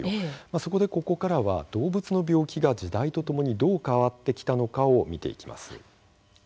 そこで、ここからは動物の病気が時代とともにどう変わってきたのかを見ていきます。